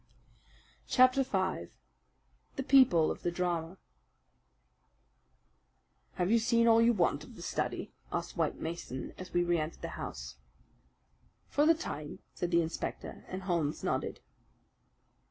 Chapter 5 The People of the Drama "Have you seen all you want of the study?" asked White Mason as we reentered the house. "For the time," said the inspector, and Holmes nodded.